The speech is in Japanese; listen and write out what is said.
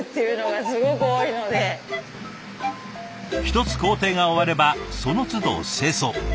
一つ工程が終わればそのつど清掃。